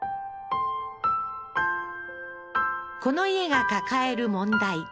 この家が抱える問題